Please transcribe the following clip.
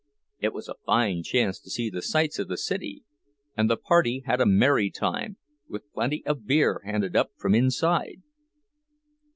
It was a fine chance to see the sights of the city, and the party had a merry time, with plenty of beer handed up from inside.